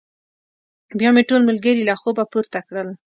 بيا مې ټول ملګري له خوبه پورته کړل.